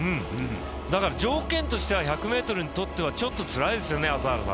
条件としては１００ｍにとってはちょっと、つらいですよね。